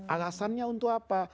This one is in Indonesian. alasannya untuk apa